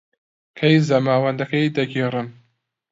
کەی زەماوەندەکەی دەگێڕن؟